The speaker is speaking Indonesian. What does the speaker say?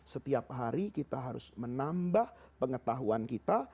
setiap hari kita harus menambah pengetahuan kita